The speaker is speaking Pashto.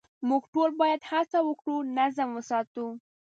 موږ ټول باید هڅه وکړو نظم وساتو.